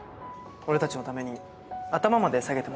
俺たちのために頭まで下げてもらって。